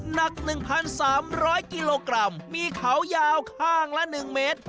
หนักหนึ่งพันสามร้อยกิโลกรัมมีเขายาวข้างละหนึ่งเมตร